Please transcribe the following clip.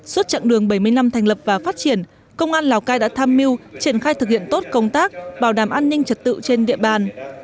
suốt chặng đường bảy mươi năm thành lập và phát triển công an lào cai đã tham mưu triển khai thực hiện tốt công tác bảo đảm an ninh trật tự trên địa bàn